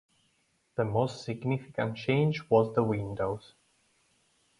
The most significant change was the windows.